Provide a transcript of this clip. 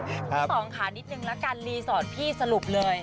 ขอไขสองขานิดหนึ่งแล้วกันรีสอนพี่สรุปเลย